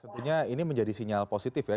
tentunya ini menjadi sinyal positif ya